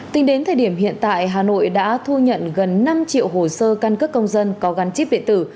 tính đến thời điểm hiện tại hà nội đã thu nhận gần năm triệu hồ sơ căn cấp công dân có gắn chip điện tử